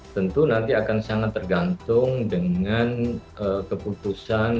tentu nanti akan sangat tergantung dengan keputusan